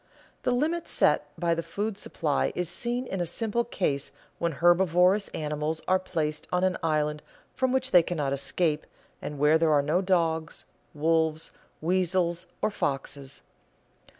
The limit set by the food supply is seen in a simple case when herbivorous animals are placed on an island from which they cannot escape, and where there are no dogs, wolves, weasels, or foxes.